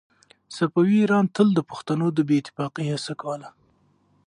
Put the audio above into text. صفوي ایران تل د پښتنو د بې اتفاقۍ هڅه کوله.